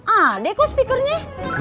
ah deh kok speakernya